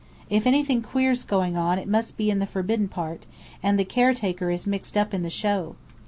If anything queer's going on, it must be in the forbidden part: and the caretaker is mixed up in the show.